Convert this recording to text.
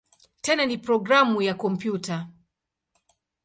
Tena ni programu ya kompyuta.